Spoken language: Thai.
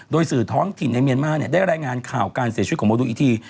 โดยสื่อท้องถิ่นในเมียนมาร์ได้รายงานข่าวการเสียชีวิตของโมดูอีกที